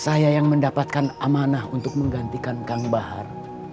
saya yang mendapatkan amanah untuk menggantikan kang bahar